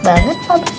selamat pagi pak bos